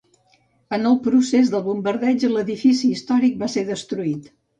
En el procés del bombardeig de l'edifici històric va ser destruït.